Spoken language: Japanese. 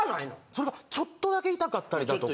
それがちょっとだけ痛かったりだとか